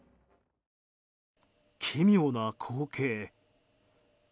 奇妙な光景。